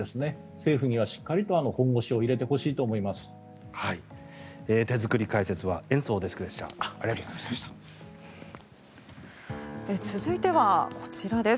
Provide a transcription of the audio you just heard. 政府にはしっかりと本腰を入れてほしいと思います。